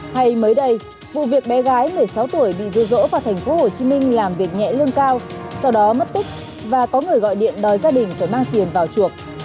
hay mới đây vụ việc bé gái một mươi sáu tuổi bị dô dỗ vào thành phố hồ chí minh làm việc nhẹ lương cao sau đó mất tích và có người gọi điện đòi gia đình phải mang tiền vào chuộc